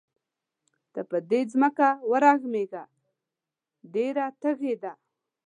ته په دې ځمکه ورحمېږه ډېره تږې ده.